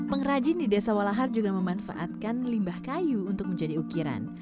pengrajin di desa walahar juga memanfaatkan limbah kayu untuk menjadi ukiran